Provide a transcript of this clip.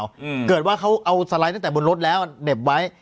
อืมเกิดว่าเขาเอาสไลด์ตั้งแต่บนรถแล้วเหน็บไว้